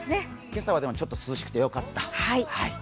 今朝はちょっと涼しくてよかった。